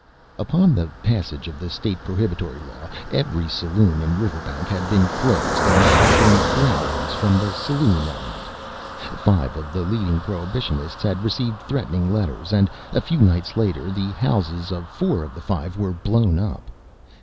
Upon the passage of the State prohibitory law every saloon in Riverbank had been closed and there had been growlings from the saloon element. Five of the leading prohibitionists had received threatening letters and, a few nights later, the houses of four of the five were blown up.